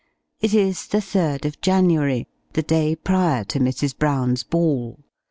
It is the 3rd of January the day prior to Mrs. Brown's ball.